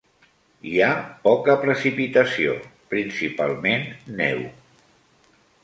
Hi ha poca precipitació, principalment neu.